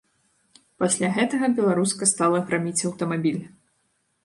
Пасля гэтага беларуска стала граміць аўтамабіль.